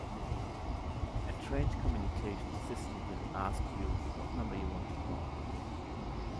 A trained communication assistant will ask you what number you want to call.